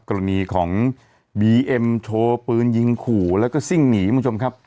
กรณีของบีเอ็มโชว์ปืนยิงขู่แล้วก็ซิ่งหนีคุณผู้ชมครับ